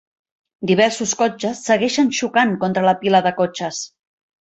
Diversos cotxes segueixen xocant contra la pila de cotxes.